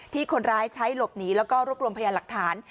คนร้ายใช้หลบหนีแล้วก็รวบรวมพยานหลักฐาน